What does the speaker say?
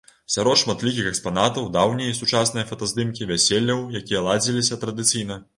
Сярод шматлікіх экспанатаў даўнія і сучасныя фотаздымкі вяселляў, якія ладзіліся традыцыйна.